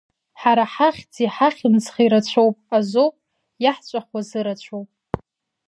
Ҳара ҳахьӡи ҳахьымӡӷи рацәоуп азоуп иаҳҵәахуа зырацәоу.